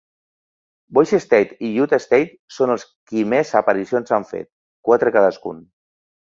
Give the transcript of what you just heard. Bois State i Utah State són els qui més aparicions han fet, quatre cadascun.